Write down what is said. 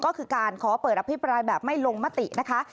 ก็คือการขอเปิดอภิปรายแบบไม่ลงมตินะคะ